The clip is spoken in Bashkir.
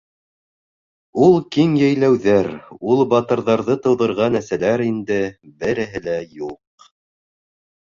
Ул киң йәйләүҙәр, ул батырҙарҙы тыуҙырған әсәләр инде береһе лә юҡ.